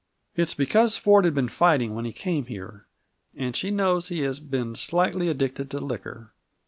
"It's because Ford had been fighting when he came here, and she knows he has been slightly addicted to liquor.